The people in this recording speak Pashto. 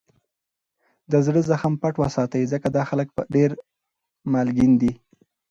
دزړه زخم پټ وساتئ! ځکه دا خلک دېر مالګین دي.